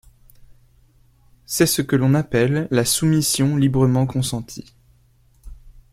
C'est ce que l'on appelle la soumission librement consentie.